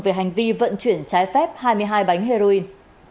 về hành vi vận chuyển trái phép hai mươi hai bánh heroin